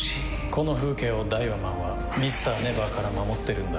この風景をダイワマンはＭｒ．ＮＥＶＥＲから守ってるんだ。